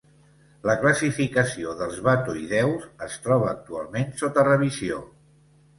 La classificació dels batoïdeus es troba actualment sota revisió.